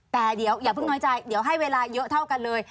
แต่เดี๋ยวอย่าเพิ่งน้อยใจเดี๋ยวให้เวลาเยอะเท่ากันเลย